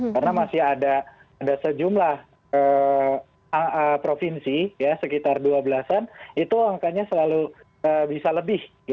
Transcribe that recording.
karena masih ada sejumlah provinsi sekitar dua belas an itu angkanya selalu bisa lebih